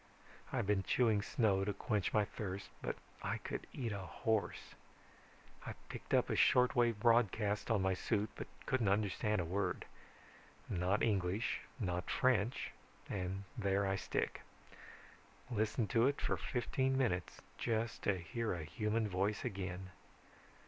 I've been chewing snow to quench my thirst but I could eat a horse. I picked up a short wave broadcast on my suit but couldn't understand a word. Not English, not French, and there I stick. Listened to it for fifteen minutes just to hear a human voice again.